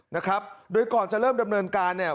นะครับโดยก่อนจะเริ่มดำเนินการเนี่ย